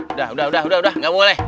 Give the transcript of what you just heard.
udah udah udah udah udah gak boleh